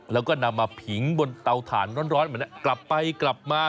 แล้วก็นำมาผิงบนเตาถ่านร้อนเหมือนกลับไปกลับมา